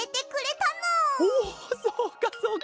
おそうかそうか！